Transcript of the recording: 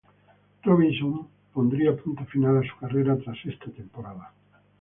Robinson pondría punto final a su carrera tras esta temporada.